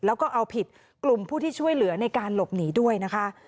แล้วก็เอาผิดกลุ่มผู้ที่ช่วยเหลือในการหลบหนีด้วยนะคะ